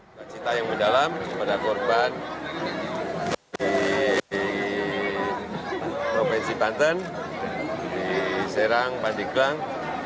bercita yang mendalam kepada korban di provinsi banten di serang pandeglang